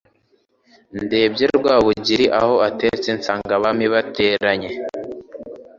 Ndebye Rwabugiri aho atetseNsanga abami bateranye